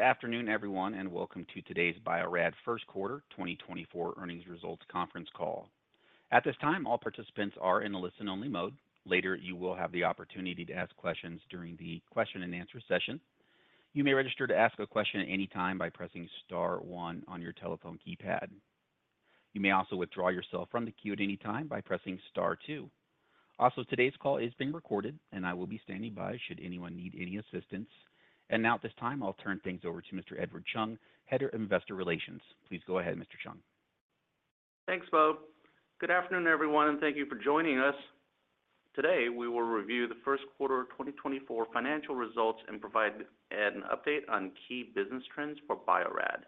Good afternoon, everyone, and welcome to today's Bio-Rad First Quarter 2024 Earnings Results Conference Call. At this time, all participants are in a listen-only mode. Later, you will have the opportunity to ask questions during the question and answer session. You may register to ask a question at any time by pressing star one on your telephone keypad. You may also withdraw yourself from the queue at any time by pressing star two. Also, today's call is being recorded, and I will be standing by should anyone need any assistance. Now at this time, I'll turn things over to Mr. Edward Chung, Head of Investor Relations. Please go ahead, Mr. Chung. Thanks, Bob. Good afternoon, everyone, and thank you for joining us. Today, we will review the first quarter of 2024 financial results and provide an update on key business trends for Bio-Rad.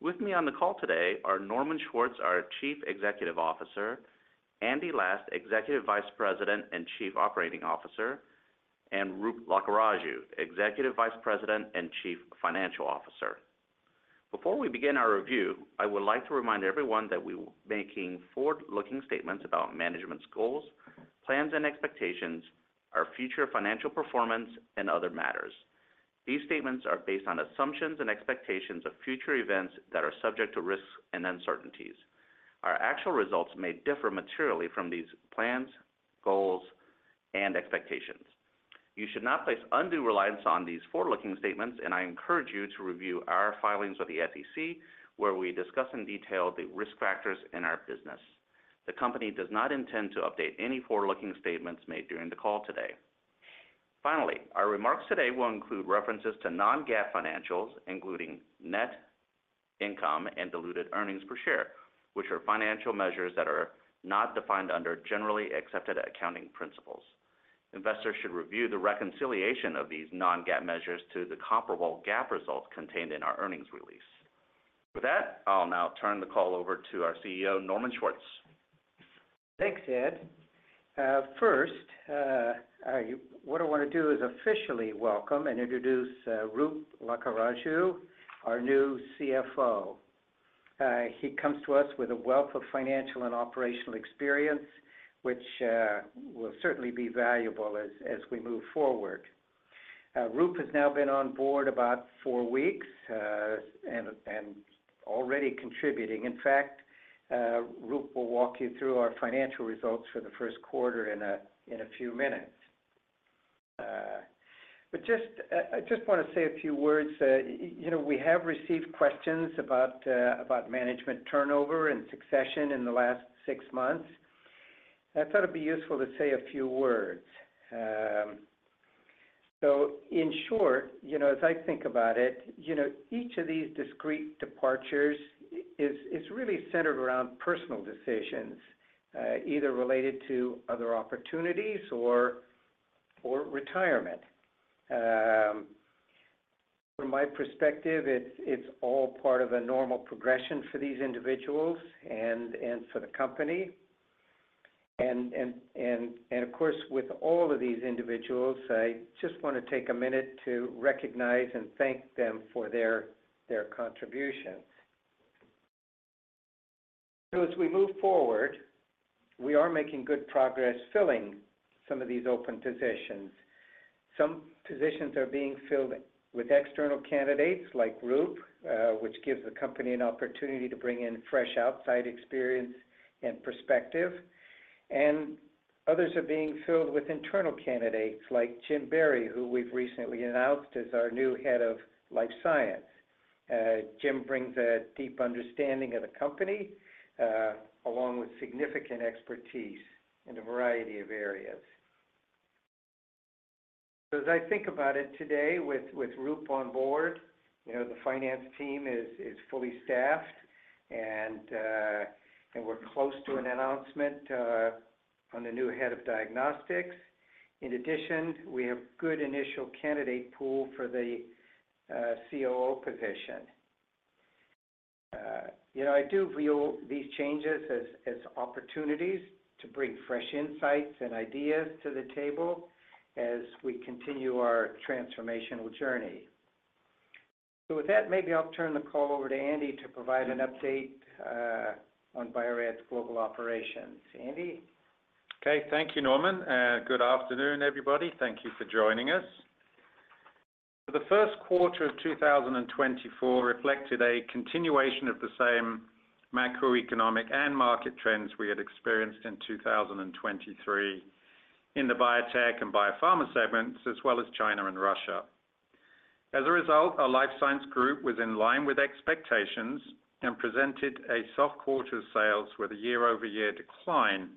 With me on the call today are Norman Schwartz, our Chief Executive Officer, Andy Last, Executive Vice President and Chief Operating Officer, and Roop Lakkaraju, Executive Vice President and Chief Financial Officer. Before we begin our review, I would like to remind everyone that we will be making forward-looking statements about management's goals, plans, and expectations, our future financial performance, and other matters. These statements are based on assumptions and expectations of future events that are subject to risks and uncertainties. Our actual results may differ materially from these plans, goals, and expectations. You should not place undue reliance on these forward-looking statements, and I encourage you to review our filings with the SEC, where we discuss in detail the risk factors in our business. The company does not intend to update any forward-looking statements made during the call today. Finally, our remarks today will include references to non-GAAP financials, including net income and diluted earnings per share, which are financial measures that are not defined under generally accepted accounting principles. Investors should review the reconciliation of these non-GAAP measures to the comparable GAAP results contained in our earnings release. With that, I'll now turn the call over to our CEO, Norman Schwartz. Thanks, Ed. First, what I want to do is officially welcome and introduce Roop Lakkaraju, our new CFO. He comes to us with a wealth of financial and operational experience, which will certainly be valuable as we move forward. Roop has now been on board about four weeks and already contributing. In fact, Roop will walk you through our financial results for the first quarter in a few minutes. But just, I just want to say a few words. You know, we have received questions about management turnover and succession in the last six months. I thought it'd be useful to say a few words. So in short, you know, as I think about it, you know, each of these discrete departures is really centered around personal decisions, either related to other opportunities or retirement. From my perspective, it's all part of a normal progression for these individuals and for the company. Of course, with all of these individuals, I just want to take a minute to recognize and thank them for their contributions. So as we move forward, we are making good progress filling some of these open positions. Some positions are being filled with external candidates, like Roop, which gives the company an opportunity to bring in fresh outside experience and perspective, and others are being filled with internal candidates, like Jim Barry, who we've recently announced as our new Head of Life Science. Jim brings a deep understanding of the company, along with significant expertise in a variety of areas. So as I think about it today, with Roop on board, you know, the finance team is fully staffed, and we're close to an announcement on the new Head of Diagnostics. In addition, we have good initial candidate pool for the COO position. You know, I do view these changes as opportunities to bring fresh insights and ideas to the table as we continue our transformational journey. So with that, maybe I'll turn the call over to Andy to provide an update on Bio-Rad's global operations. Andy? Okay. Thank you, Norman, good afternoon, everybody. Thank you for joining us. The first quarter of 2024 reflected a continuation of the same macroeconomic and market trends we had experienced in 2023 in the biotech and biopharma segments, as well as China and Russia. As a result, our life science group was in line with expectations and presented a soft quarter of sales with a year-over-year decline,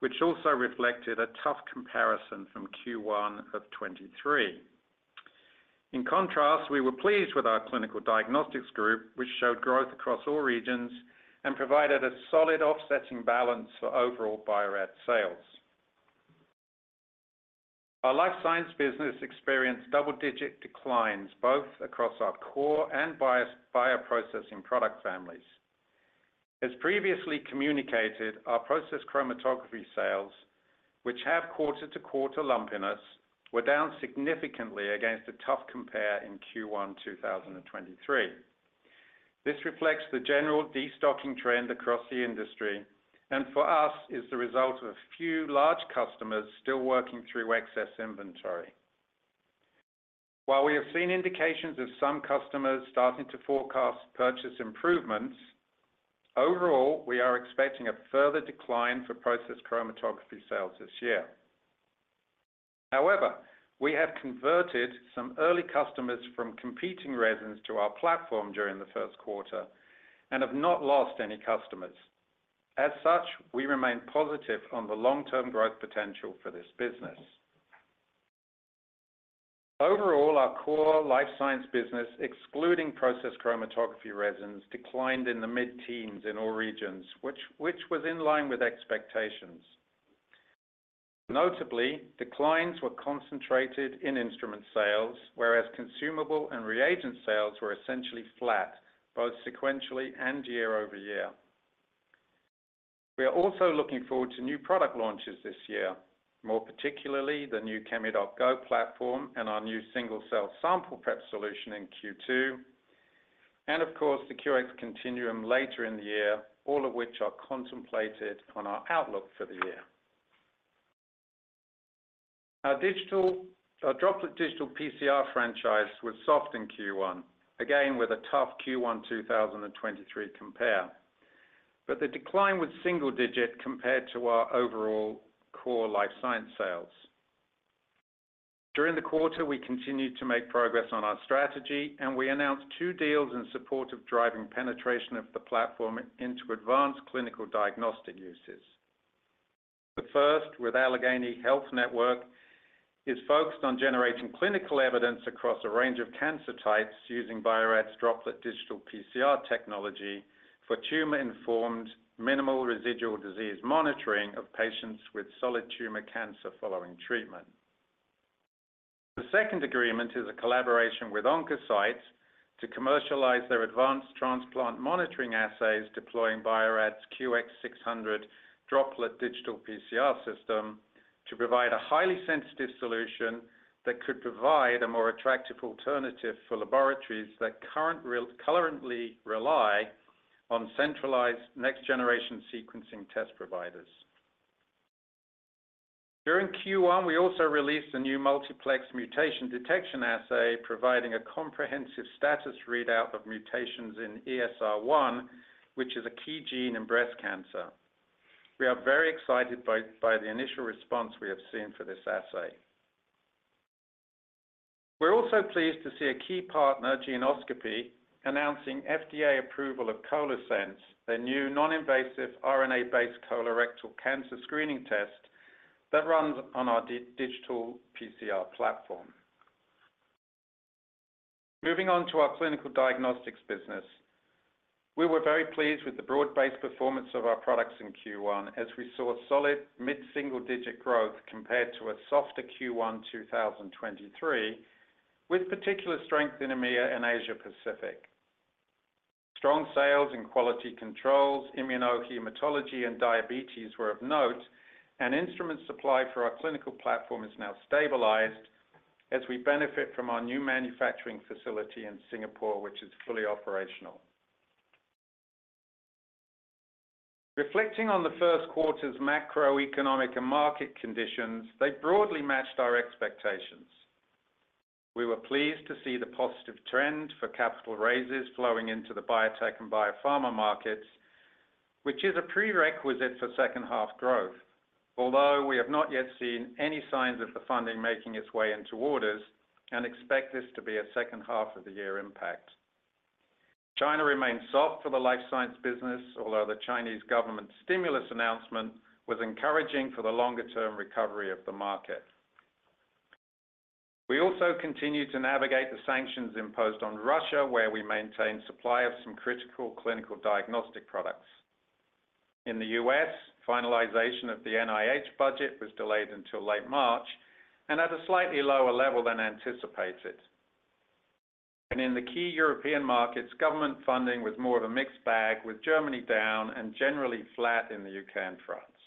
which also reflected a tough comparison from Q1 of 2023. In contrast, we were pleased with our clinical diagnostics group, which showed growth across all regions and provided a solid offsetting balance for overall Bio-Rad sales. Our life science business experienced double-digit declines, both across our core and bioprocessing product families. As previously communicated, our process chromatography sales, which have quarter-to-quarter lumpiness, were down significantly against a tough compare in Q1 2023. This reflects the general destocking trend across the industry, and for us, is the result of a few large customers still working through excess inventory. While we have seen indications of some customers starting to forecast purchase improvements, overall, we are expecting a further decline for process chromatography sales this year. However, we have converted some early customers from competing resins to our platform during the first quarter, and have not lost any customers. As such, we remain positive on the long-term growth potential for this business. Overall, our core life science business, excluding process chromatography resins, declined in the mid-teens in all regions, which was in line with expectations. Notably, declines were concentrated in instrument sales, whereas consumable and reagent sales were essentially flat, both sequentially and year-over-year. We are also looking forward to new product launches this year, more particularly the new ChemiDoc Go platform and our new single-cell sample prep solution in Q2, and of course, the QX Continuum later in the year, all of which are contemplated on our outlook for the year. Our Droplet Digital PCR franchise was soft in Q1, again, with a tough Q1 2023 compare. But the decline was single-digit compared to our overall core life science sales. During the quarter, we continued to make progress on our strategy, and we announced two deals in support of driving penetration of the platform into advanced clinical diagnostic uses. The first, with Allegheny Health Network, is focused on generating clinical evidence across a range of cancer types using Bio-Rad's Droplet Digital PCR technology for tumor-informed minimal residual disease monitoring of patients with solid tumor cancer following treatment. The second agreement is a collaboration with Oncocyte to commercialize their advanced transplant monitoring assays, deploying Bio-Rad's QX600 Droplet Digital PCR system, to provide a highly sensitive solution that could provide a more attractive alternative for laboratories that currently rely on centralized next-generation sequencing test providers. During Q1, we also released a new multiplex mutation detection assay, providing a comprehensive status readout of mutations in ESR1, which is a key gene in breast cancer. We are very excited by the initial response we have seen for this assay. We're also pleased to see a key partner, Geneoscopy, announcing FDA approval of ColoSense, their new non-invasive RNA-based colorectal cancer screening test that runs on our digital PCR platform. Moving on to our clinical diagnostics business. We were very pleased with the broad-based performance of our products in Q1, as we saw solid mid-single-digit growth compared to a softer Q1 2023, with particular strength in EMEA and Asia Pacific. Strong sales and quality controls, immunohematology, and diabetes were of note, and instrument supply for our clinical platform is now stabilized as we benefit from our new manufacturing facility in Singapore, which is fully operational. Reflecting on the first quarter's macroeconomic and market conditions, they broadly matched our expectations. We were pleased to see the positive trend for capital raises flowing into the biotech and biopharma markets, which is a prerequisite for second half growth, although we have not yet seen any signs of the funding making its way into orders, and expect this to be a second half of the year impact. China remains soft for the life science business, although the Chinese government's stimulus announcement was encouraging for the longer-term recovery of the market. We also continue to navigate the sanctions imposed on Russia, where we maintain supply of some critical clinical diagnostic products. In the US, finalization of the NIH budget was delayed until late March and at a slightly lower level than anticipated. In the key European markets, government funding was more of a mixed bag, with Germany down and generally flat in the U.K. and France.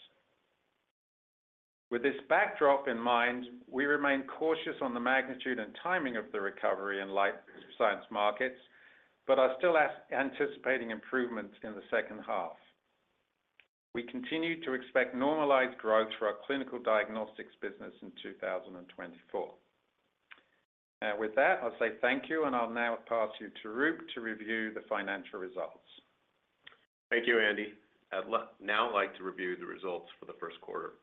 With this backdrop in mind, we remain cautious on the magnitude and timing of the recovery in life science markets, but are still anticipating improvements in the second half. We continue to expect normalized growth for our clinical diagnostics business in 2024. With that, I'll say thank you, and I'll now pass you to Roop to review the financial results. Thank you, Andy. I'd now like to review the results for the first quarter.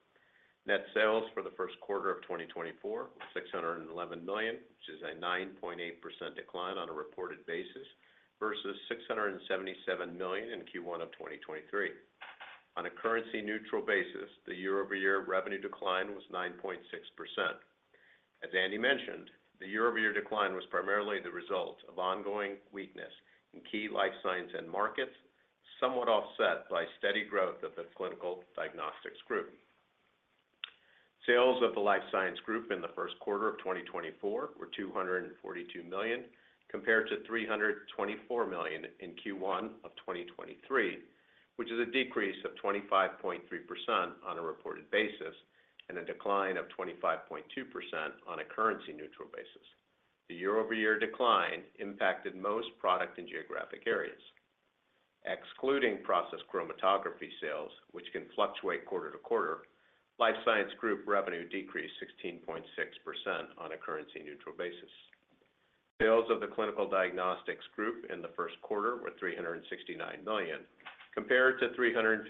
Net sales for the first quarter of 2024 were $611 million, which is a 9.8% decline on a reported basis, versus $677 million in Q1 of 2023. On a currency-neutral basis, the year-over-year revenue decline was 9.6%. As Andy mentioned, the year-over-year decline was primarily the result of ongoing weakness in key life science end markets, somewhat offset by steady growth of the Clinical Diagnostics Group. Sales of the Life Science Group in the first quarter of 2024 were $242 million, compared to $324 million in Q1 of 2023.... which is a decrease of 25.3% on a reported basis and a decline of 25.2% on a currency neutral basis. The year-over-year decline impacted most product and geographic areas. Excluding process chromatography sales, which can fluctuate quarter to quarter, Life Science Group revenue decreased 16.6% on a currency neutral basis. Sales of the Clinical Diagnostics Group in the first quarter were $369 million, compared to $352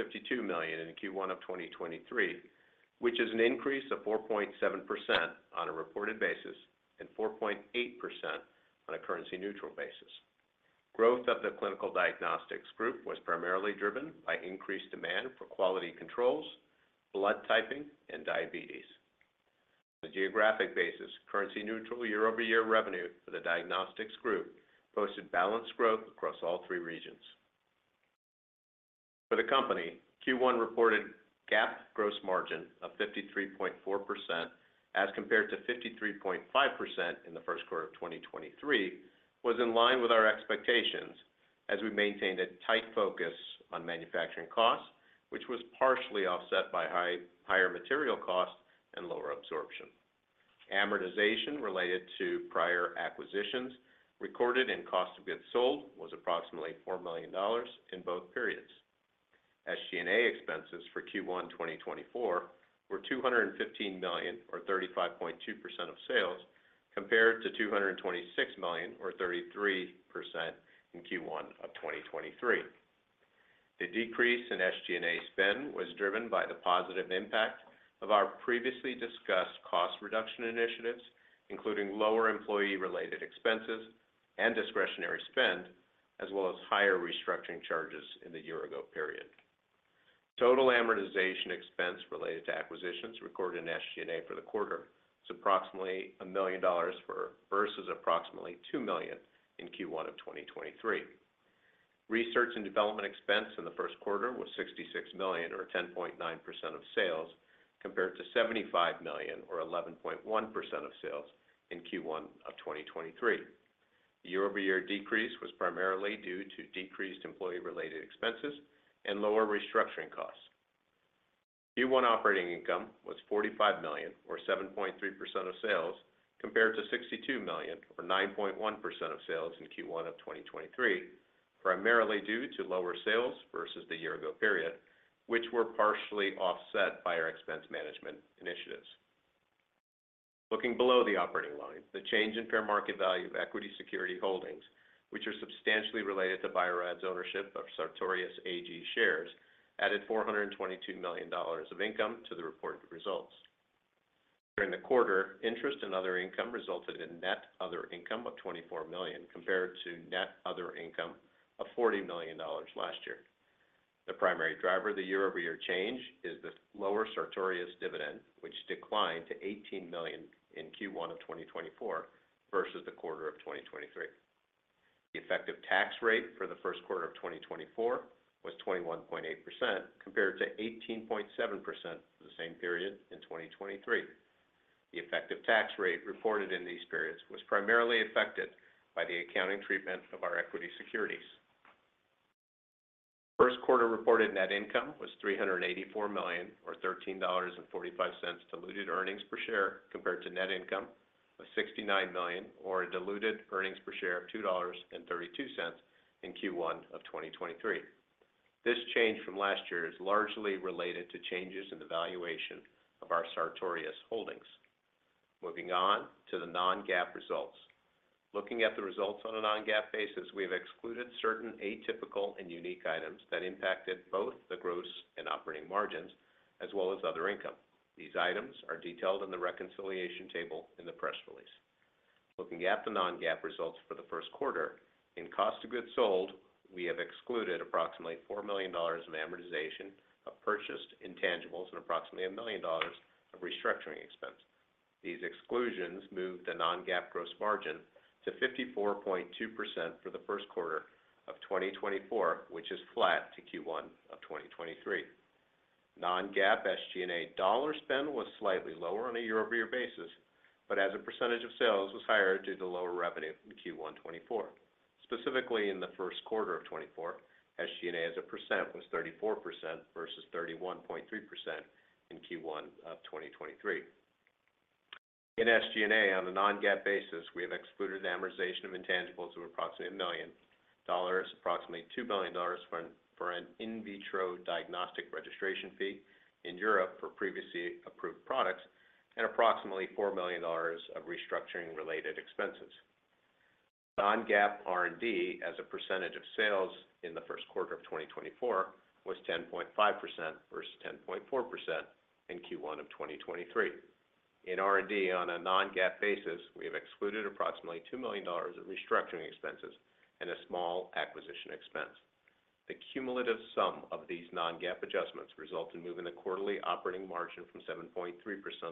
million in Q1 of 2023, which is an increase of 4.7% on a reported basis and 4.8% on a currency neutral basis. Growth of the Clinical Diagnostics Group was primarily driven by increased demand for quality controls, blood typing, and diabetes. On a geographic basis, currency neutral year-over-year revenue for the Diagnostics Group posted balanced growth across all three regions. For the company, Q1 reported GAAP gross margin of 53.4%, as compared to 53.5% in the first quarter of 2023, was in line with our expectations as we maintained a tight focus on manufacturing costs, which was partially offset by higher material costs and lower absorption. Amortization related to prior acquisitions recorded in cost of goods sold was approximately $4 million in both periods. SG&A expenses for Q1, 2024 were $215 million, or 35.2% of sales, compared to $226 million, or 33% in Q1 of 2023. The decrease in SG&A spend was driven by the positive impact of our previously discussed cost reduction initiatives, including lower employee-related expenses and discretionary spend, as well as higher restructuring charges in the year ago period. Total amortization expense related to acquisitions recorded in SG&A for the quarter is approximately $1 million for, versus approximately $2 million in Q1 of 2023. Research and development expense in the first quarter was $66 million, or 10.9% of sales, compared to $75 million, or 11.1% of sales in Q1 of 2023. The year-over-year decrease was primarily due to decreased employee-related expenses and lower restructuring costs. Q1 operating income was $45 million, or 7.3% of sales, compared to $62 million, or 9.1% of sales in Q1 of 2023, primarily due to lower sales versus the year ago period, which were partially offset by our expense management initiatives. Looking below the operating line, the change in fair market value of equity security holdings, which are substantially related to Bio-Rad's ownership of Sartorius AG shares, added $422 million of income to the reported results. During the quarter, interest and other income resulted in net other income of $24 million, compared to net other income of $40 million last year. The primary driver of the year-over-year change is the lower Sartorius dividend, which declined to $18 million in Q1 of 2024 versus the quarter of 2023. The effective tax rate for the first quarter of 2024 was 21.8%, compared to 18.7% for the same period in 2023. The effective tax rate reported in these periods was primarily affected by the accounting treatment of our equity securities. First quarter reported net income was $384 million, or $13.45 diluted earnings per share, compared to net income of $69 million, or a diluted earnings per share of $2.32 in Q1 of 2023. This change from last year is largely related to changes in the valuation of our Sartorius holdings. Moving on to the non-GAAP results. Looking at the results on a non-GAAP basis, we have excluded certain atypical and unique items that impacted both the gross and operating margins as well as other income. These items are detailed in the reconciliation table in the press release. Looking at the non-GAAP results for the first quarter, in cost of goods sold, we have excluded approximately $4 million of amortization of purchased intangibles and approximately $1 million of restructuring expense. These exclusions moved the non-GAAP gross margin to 54.2% for the first quarter of 2024, which is flat to Q1 of 2023. Non-GAAP SG&A dollar spend was slightly lower on a year-over-year basis, but as a percentage of sales was higher due to lower revenue from Q1 2024. Specifically, in the first quarter of 2024, SG&A as a percent was 34% versus 31.3% in Q1 of 2023. In SG&A, on a non-GAAP basis, we have excluded the amortization of intangibles of approximately $1 million, approximately $2 million for an in vitro diagnostic registration fee in Europe for previously approved products, and approximately $4 million of restructuring related expenses. Non-GAAP R&D as a percentage of sales in the first quarter of 2024 was 10.5% versus 10.4% in Q1 of 2023. In R&D, on a non-GAAP basis, we have excluded approximately $2 million of restructuring expenses and a small acquisition expense. The cumulative sum of these non-GAAP adjustments result in moving the quarterly operating margin from 7.3%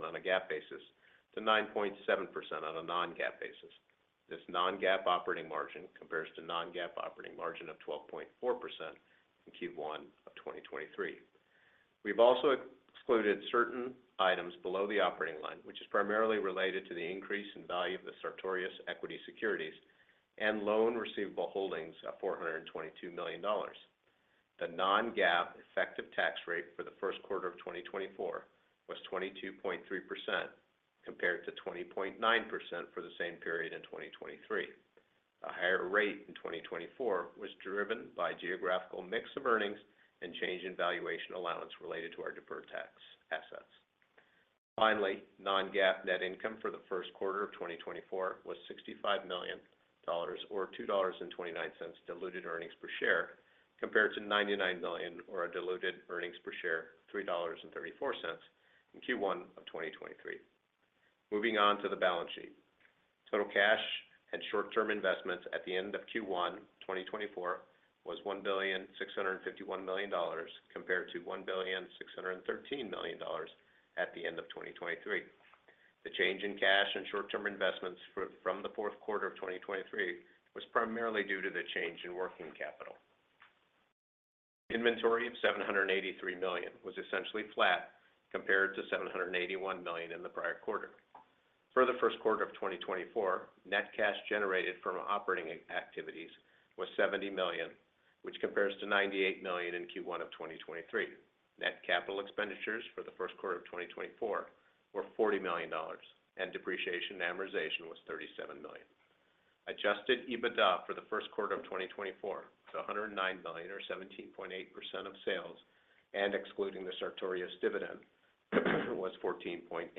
on a GAAP basis to 9.7% on a non-GAAP basis. This non-GAAP operating margin compares to non-GAAP operating margin of 12.4% in Q1 of 2023.... We've also excluded certain items below the operating line, which is primarily related to the increase in value of the Sartorius equity securities and loan receivable holdings of $422 million. The non-GAAP effective tax rate for the first quarter of 2024 was 22.3%, compared to 20.9% for the same period in 2023. A higher rate in 2024 was driven by geographical mix of earnings and change in valuation allowance related to our deferred tax assets. Finally, non-GAAP net income for the first quarter of 2024 was $65 million, or $2.29 diluted earnings per share, compared to $99 million, or a diluted earnings per share of $3.34 in Q1 of 2023. Moving on to the balance sheet. Total cash and short-term investments at the end of Q1, 2024, was $1,651 million, compared to $1,613 million at the end of 2023. The change in cash and short-term investments from the fourth quarter of 2023 was primarily due to the change in working capital. Inventory of $783 million was essentially flat compared to $781 million in the prior quarter. For the first quarter of 2024, net cash generated from operating activities was $70 million, which compares to $98 million in Q1 of 2023. Net capital expenditures for the first quarter of 2024 were $40 million, and depreciation and amortization was $37 million. Adjusted EBITDA for the first quarter of 2024 was $109 million, or 17.8% of sales, and excluding the Sartorius dividend, was 14.8%.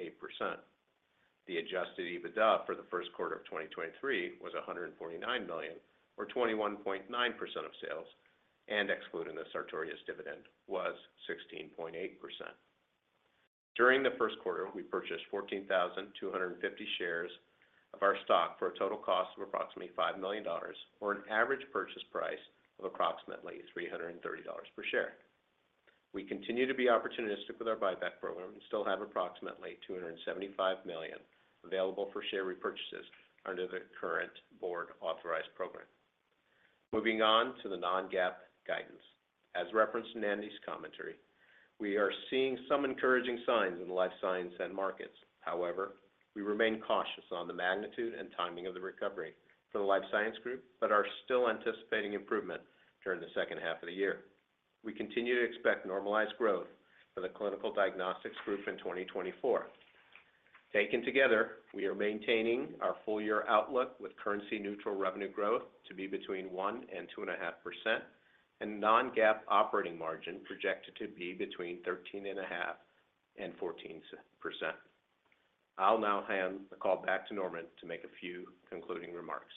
The adjusted EBITDA for the first quarter of 2023 was $149 million, or 21.9% of sales, and excluding the Sartorius dividend, was 16.8%. During the first quarter, we purchased 14,250 shares of our stock for a total cost of approximately $5 million, or an average purchase price of approximately $330 per share. We continue to be opportunistic with our buyback program and still have approximately $275 million available for share repurchases under the current board-authorized program. Moving on to the non-GAAP guidance. As referenced in Andy's commentary, we are seeing some encouraging signs in the life science end markets. However, we remain cautious on the magnitude and timing of the recovery for the life science group, but are still anticipating improvement during the second half of the year. We continue to expect normalized growth for the clinical diagnostics group in 2024. Taken together, we are maintaining our full-year outlook with currency-neutral revenue growth to be between 1% and 2.5%, and non-GAAP operating margin projected to be between 13.5% and 14%. I'll now hand the call back to Norman to make a few concluding remarks.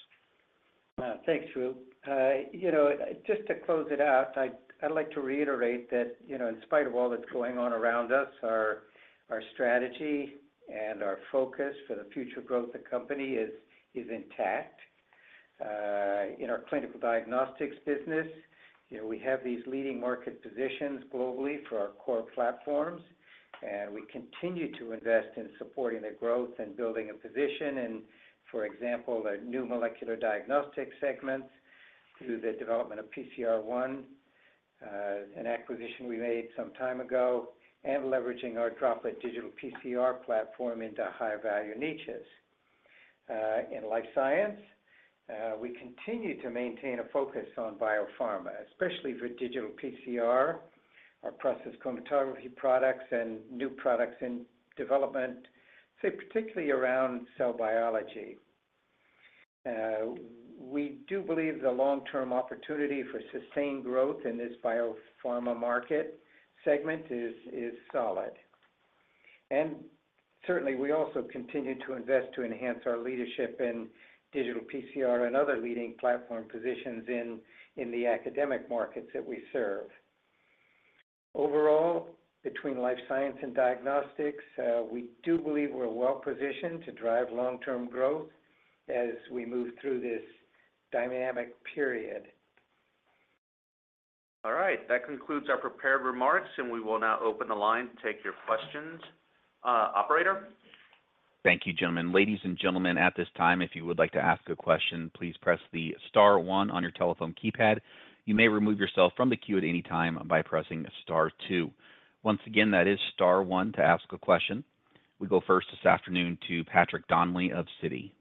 Thanks, Roop. You know, just to close it out, I'd like to reiterate that, you know, in spite of all that's going on around us, our strategy and our focus for the future growth of the company is intact. In our clinical diagnostics business, you know, we have these leading market positions globally for our core platforms, and we continue to invest in supporting their growth and building a position in, for example, the new molecular diagnostics segments through the development of PCR|ONE, an acquisition we made some time ago, and leveraging our Droplet Digital PCR platform into higher-value niches. In life science, we continue to maintain a focus on biopharma, especially for digital PCR, our process chromatography products, and new products in development, say, particularly around cell biology. We do believe the long-term opportunity for sustained growth in this biopharma market segment is solid. And certainly, we also continue to invest to enhance our leadership in digital PCR and other leading platform positions in the academic markets that we serve. Overall, between life science and diagnostics, we do believe we're well-positioned to drive long-term growth as we move through this dynamic period. All right. That concludes our prepared remarks, and we will now open the line to take your questions. Operator? Thank you, gentlemen. Ladies and gentlemen, at this time, if you would like to ask a question, please press the star one on your telephone keypad. You may remove yourself from the queue at any time by pressing star two. Once again, that is star one to ask a question. We go first this afternoon to Patrick Donnelly of Citi.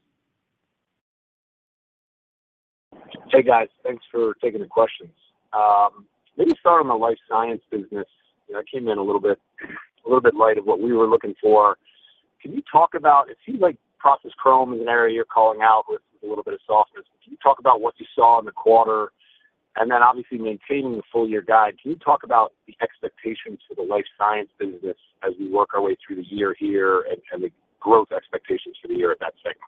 Hey, guys. Thanks for taking the questions. Maybe start on the life science business. You know, it came in a little bit, a little bit light of what we were looking for. Can you talk about, it seems like process chromatography is an area you're calling out with a little bit of softness. Can you talk about what you saw in the quarter? And then obviously maintaining the full-year guide, can you talk about the expectations for the life science business as we work our way through the year here and, and the growth expectations for the year at that segment?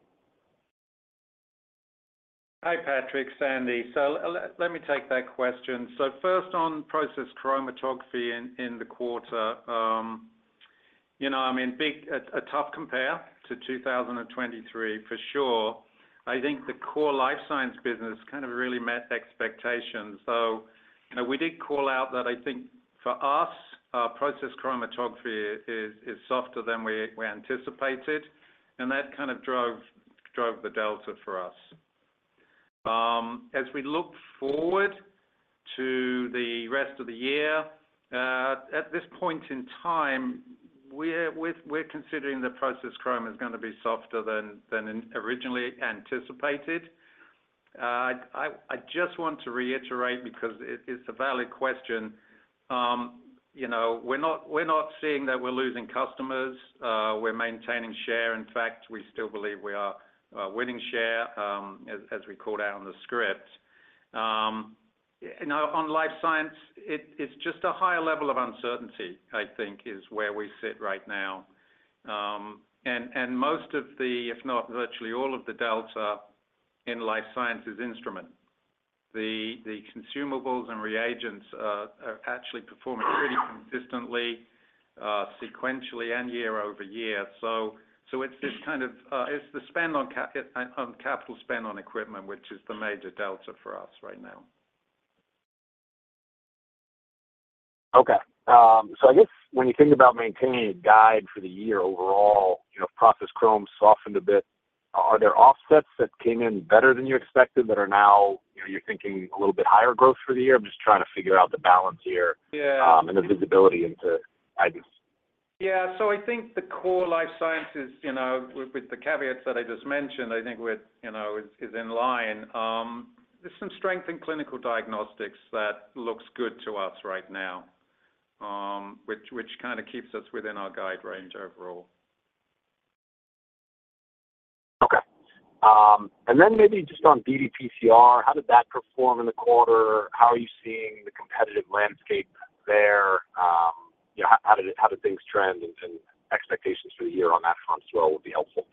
Hi, Patrick, it's Andy. So let me take that question. So first, on process chromatography in the quarter, you know, I mean, a tough compare to 2023, for sure. I think the core life science business kind of really met expectations. So, you know, we did call out that I think for us, our process chromatography is softer than we anticipated, and that kind of drove the delta for us. As we look forward to the rest of the year, at this point in time, we're considering the process chromatography is gonna be softer than originally anticipated. I just want to reiterate, because it's a valid question. You know, we're not seeing that we're losing customers. We're maintaining share. In fact, we still believe we are winning share, as we called out on the script. You know, on life science, it's just a higher level of uncertainty, I think, is where we sit right now. And most of the, if not virtually all of the delta in life science is instrument. The consumables and reagents are actually performing pretty consistently, sequentially and year over year. So it's just kind of, it's the spend on capital spend on equipment, which is the major delta for us right now. Okay. So I guess when you think about maintaining a guide for the year overall, you know, process chromatography softened a bit. Are there offsets that came in better than you expected, that are now, you know, you're thinking a little bit higher growth for the year? I'm just trying to figure out the balance here- Yeah. and the visibility into guidance. Yeah. So I think the core life sciences, you know, with the caveats that I just mentioned, I think we're, you know, in line. There's some strength in clinical diagnostics that looks good to us right now, which kinda keeps us within our guide range overall. Okay. And then maybe just on ddPCR, how did that perform in the quarter? How are you seeing the competitive landscape there? You know, how did things trend and expectations for the year on that front as well, would be helpful.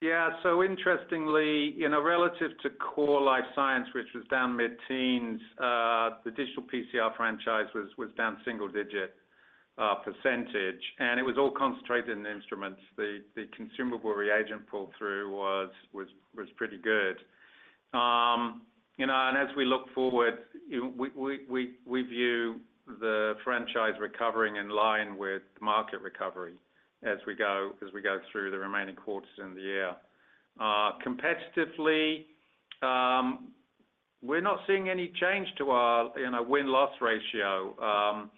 Yeah. So interestingly, you know, relative to core life science, which was down mid-teens, the digital PCR franchise was down single-digit percentage, and it was all concentrated in the instruments. The consumable reagent pull-through was pretty good. You know, and as we look forward, you know, we view the franchise recovering in line with market recovery as we go through the remaining quarters in the year. Competitively, we're not seeing any change to our, you know, win-loss ratio.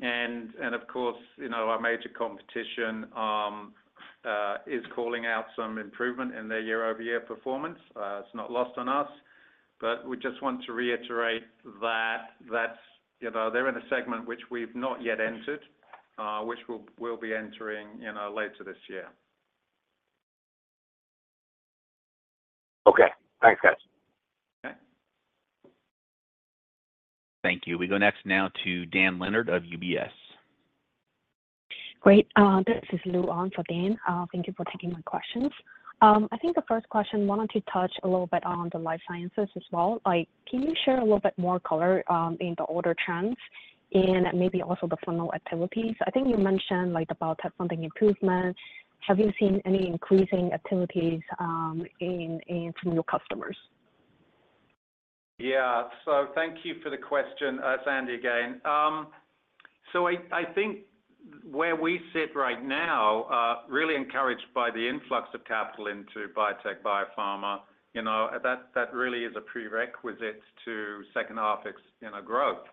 And, of course, you know, our major competition is calling out some improvement in their year-over-year performance. It's not lost on us, but we just want to reiterate that that's, you know, they're in a segment which we've not yet entered, which we'll be entering, you know, later this year. Okay. Thanks, guys. Okay. Thank you. We go next now to Dan Leonard of UBS. Great. This is Lu on for Dan. Thank you for taking my questions. I think the first question, why don't you touch a little bit on the life sciences as well? Like, can you share a little bit more color, in the order trends and maybe also the funnel activities? I think you mentioned, like, about something improvement. Have you seen any increasing activities, in from new customers? Yeah. So thank you for the question. It's Andy again. So I think where we sit right now, really encouraged by the influx of capital into biotech, biopharma. You know, that really is a prerequisite to second half ex- you know, growth.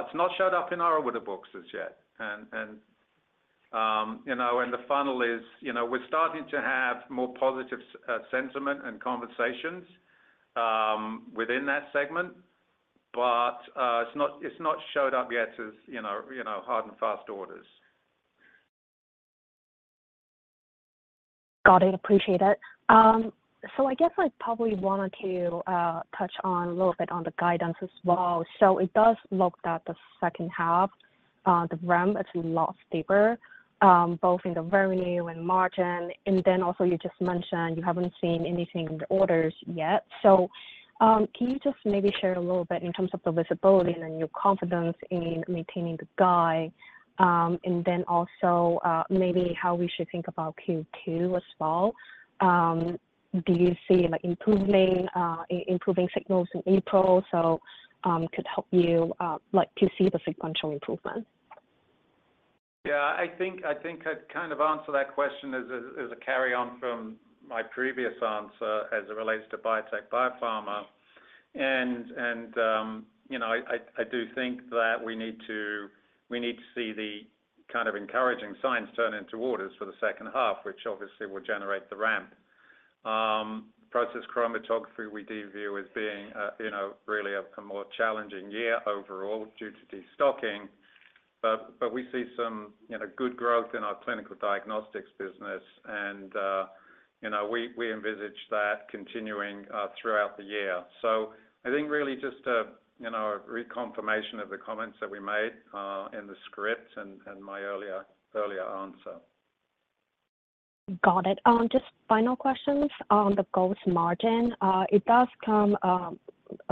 It's not showed up in our order books as yet, and, and, you know, and the funnel is... You know, we're starting to have more positive s- sentiment and conversations, within that segment, but, it's not, it's not showed up yet as, you know, you know, hard and fast orders. Got it. Appreciate it. So I guess I'd probably wanted to touch on a little bit on the guidance as well. So it does look that the second half the ramp is a lot steeper both in the revenue and margin. And then also you just mentioned you haven't seen anything in the orders yet. So can you just maybe share a little bit in terms of the visibility and then your confidence in maintaining the guide? And then also maybe how we should think about Q2 as well. Do you see, like, improving signals in April, so could help you like to see the sequential improvement? Yeah, I think I've kind of answered that question as a carry on from my previous answer as it relates to biotech, biopharma. And you know, I do think that we need to see the kind of encouraging signs turn into orders for the second half, which obviously will generate the ramp. Process chromatography, we do view as being you know, really a more challenging year overall due to destocking. But we see some you know, good growth in our clinical diagnostics business, and you know, we envisage that continuing throughout the year. So I think really just a you know, reconfirmation of the comments that we made in the script and my earlier answer. Got it. Just final questions on the gross margin. It does come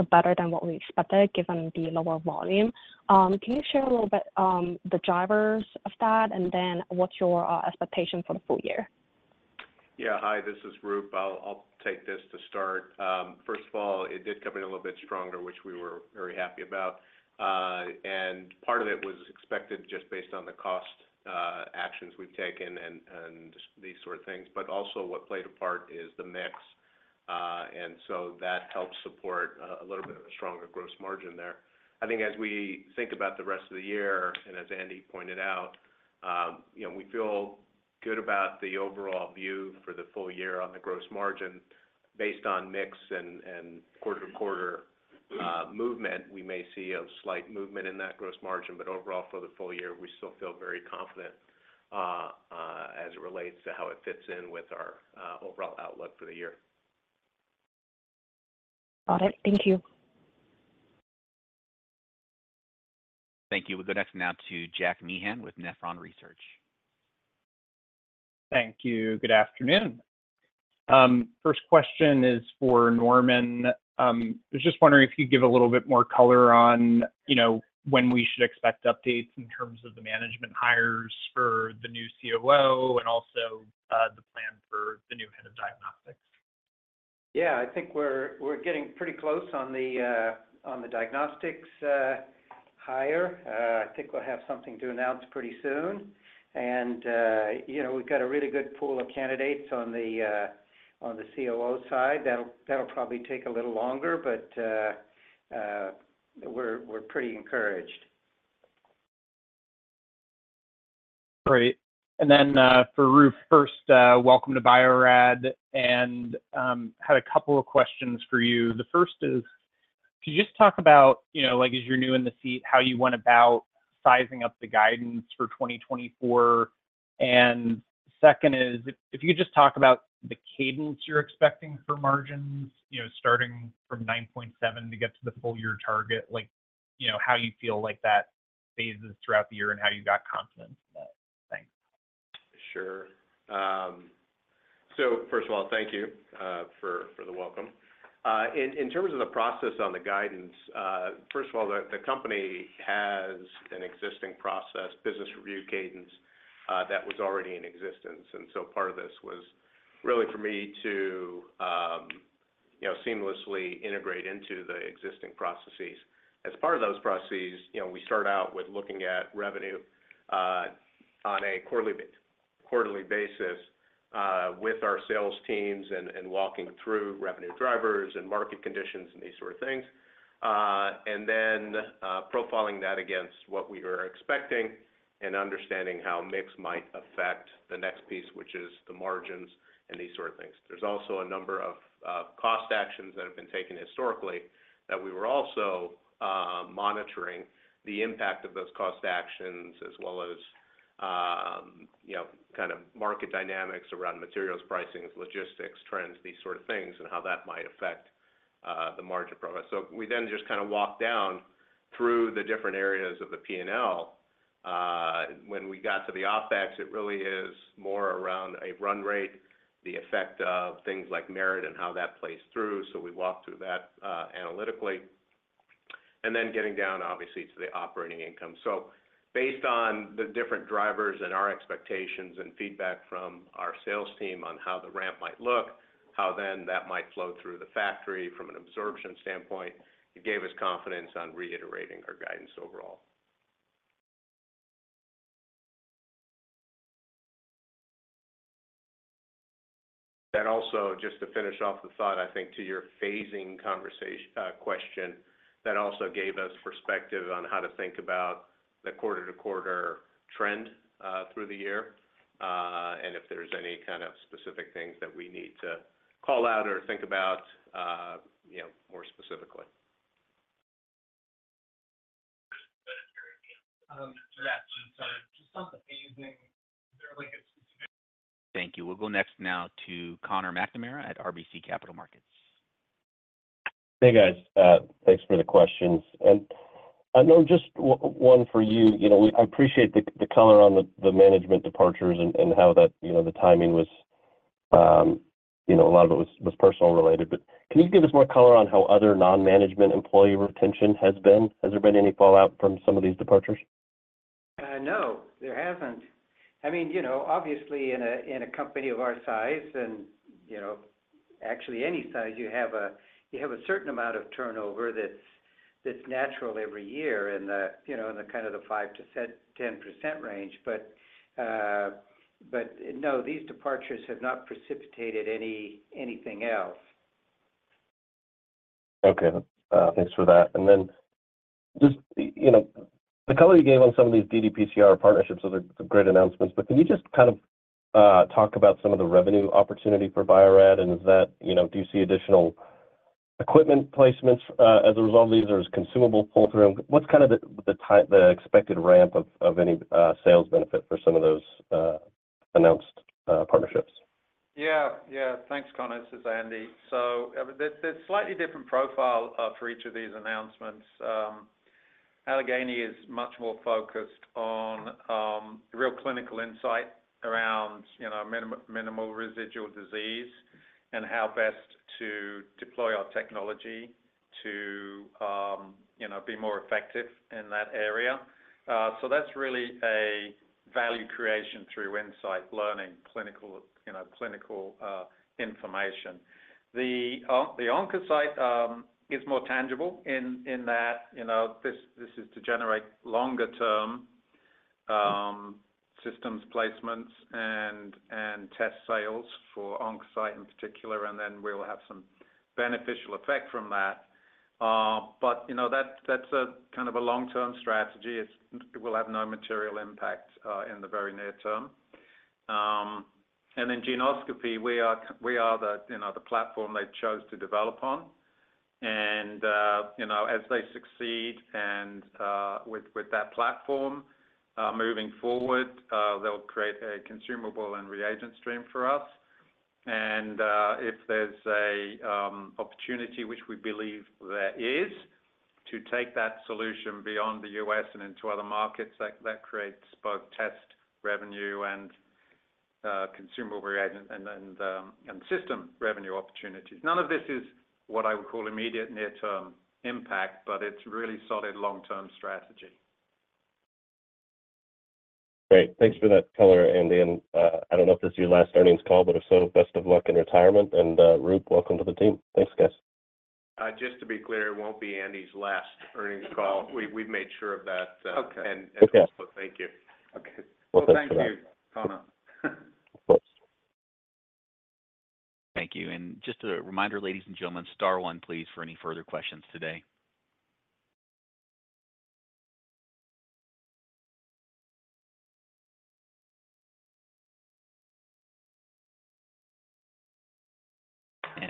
better than what we expected, given the lower volume. Can you share a little bit the drivers of that, and then what's your expectation for the full year? Yeah. Hi, this is Roop. I'll take this to start. First of all, it did come in a little bit stronger, which we were very happy about. And part of it was expected just based on the cost actions we've taken and these sort of things. But also what played a part is the mix, and so that helps support a little bit of a stronger gross margin there. I think as we think about the rest of the year, and as Andy pointed out, you know, we feel good about the overall view for the full year on the gross margin. Based on mix and quarter-to-quarter movement, we may see a slight movement in that gross margin, but overall, for the full year, we still feel very confident, as it relates to how it fits in with our overall outlook for the year. Got it. Thank you. Thank you. We'll go next now to Jack Meehan with Nephron Research. Thank you. Good afternoon. First question is for Norman. I was just wondering if you'd give a little bit more color on, you know, when we should expect updates in terms of the management hires for the new COO and also, the plan for the new head of diagnostics? Yeah, I think we're getting pretty close on the diagnostics hire. I think we'll have something to announce pretty soon. And, you know, we've got a really good pool of candidates on the COO side. That'll probably take a little longer, but we're pretty encouraged. Great. And then, for Roop, first, welcome to Bio-Rad, and, had a couple of questions for you. The first is, could you just talk about, you know, like, as you're new in the seat, how you went about sizing up the guidance for 2024? And second is, if, if you could just talk about the cadence you're expecting for margins, you know, starting from 9.7% to get to the full year target, like, you know, how you feel like that phases throughout the year and how you got confidence in that? Thanks. Sure. So first of all, thank you for the welcome. In terms of the process on the guidance, first of all, the company has an existing process, business review cadence that was already in existence, and so part of this was really for me to you know, seamlessly integrate into the existing processes. As part of those processes, you know, we start out with looking at revenue on a quarterly basis with our sales teams and walking through revenue drivers and market conditions and these sort of things. And then, profiling that against what we were expecting and understanding how mix might affect the next piece, which is the margins and these sort of things. There's also a number of cost actions that have been taken historically, that we were also monitoring the impact of those cost actions, as well as, you know, kind of market dynamics around materials, pricings, logistics, trends, these sort of things, and how that might affect the margin progress. So we then just kind of walked down through the different areas of the P&L. When we got to the OpEx, it really is more around a run rate, the effect of things like merit and how that plays through, so we walked through that analytically. And then getting down, obviously, to the operating income. So based on the different drivers and our expectations and feedback from our sales team on how the ramp might look, how then that might flow through the factory from an absorption standpoint, it gave us confidence on reiterating our guidance overall. That also, just to finish off the thought, I think, to your phasing conversation question, that also gave us perspective on how to think about the quarter-to-quarter trend through the year, and if there's any kind of specific things that we need to call out or think about, you know, more specifically. Yeah, just on the phasing, there like a specific- Thank you. We'll go next now to Conor McNamara at RBC Capital Markets. Hey, guys. Thanks for the questions. And, Norm, just one for you. You know, I appreciate the color on the management departures and how that, you know, the timing was, you know, a lot of it was personal related. But can you give us more color on how other non-management employee retention has been? Has there been any fallout from some of these departures? No, there hasn't. I mean, you know, obviously, in a company of our size, and, you know, actually any size, you have a certain amount of turnover that's natural every year, you know, in the kind of the 5%-10% range, but no, these departures have not precipitated anything else. Okay. Thanks for that. And then just, you know, the color you gave on some of these ddPCR partnerships, so they're great announcements, but can you just kind of talk about some of the revenue opportunity for Bio-Rad, and is that... You know, do you see additional equipment placements as a result of these? There's consumable pull-through. What's kind of the expected ramp of any sales benefit for some of those announced partnerships? Yeah. Yeah. Thanks, Conor. This is Andy. So, there's slightly different profile for each of these announcements. Allegheny is much more focused on real clinical insight around, you know, minimal residual disease and how best to deploy our technology to, you know, be more effective in that area. So that's really a value creation through insight, learning, clinical, you know, clinical information. The OncoCyte is more tangible in that, you know, this is to generate longer-term-... systems placements and test sales for OncoCyte in particular, and then we will have some beneficial effect from that. But you know, that, that's a kind of a long-term strategy. It's. It will have no material impact in the very near term. And then Geneoscopy, we are the, you know, the platform they chose to develop on. And, you know, as they succeed and, with that platform, moving forward, they'll create a consumable and reagent stream for us. And, if there's a, opportunity, which we believe there is, to take that solution beyond the U.S. and into other markets, that, that creates both test revenue and, consumable reagent and, and, and system revenue opportunities. None of this is what I would call immediate near-term impact, but it's really solid long-term strategy. Great. Thanks for that color, Andy, and I don't know if this is your last earnings call, but if so, best of luck in retirement. Roop, welcome to the team. Thanks, guys. Just to be clear, it won't be Andy's last earnings call. We've made sure of that. Okay. And so thank you. Okay. Well, thank you, Conor. Of course. Thank you. And just a reminder, ladies and gentlemen, star one, please, for any further questions today.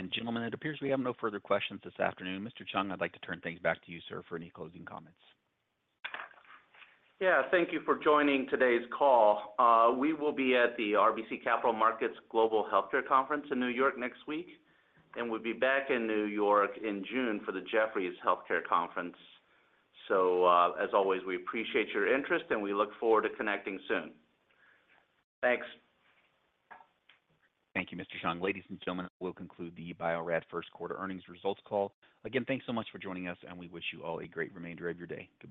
And gentlemen, it appears we have no further questions this afternoon. Mr. Chung, I'd like to turn things back to you, sir, for any closing comments. Yeah, thank you for joining today's call. We will be at the RBC Capital Markets Global Healthcare Conference in New York next week, and we'll be back in New York in June for the Jefferies Healthcare Conference. So, as always, we appreciate your interest, and we look forward to connecting soon. Thanks. Thank you, Mr. Chung. Ladies and gentlemen, we'll conclude the Bio-Rad first quarter earnings results call. Again, thanks so much for joining us, and we wish you all a great remainder of your day. Goodbye.